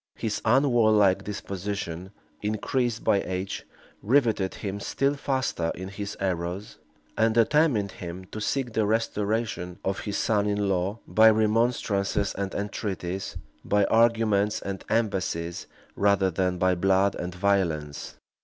His unwarlike disposition, increased by age, rivetted him still faster in his errors, and determined him to seek the restoration of his son in law, by remonstrances and entreaties, by arguments and embassies, rather than by blood and violence.